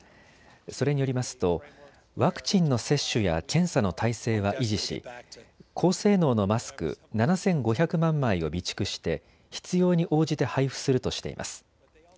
それによりますとワクチンの接種や検査の態勢は維持し高性能のマスク７５００万枚を備蓄して必要に応じて配布するとしています。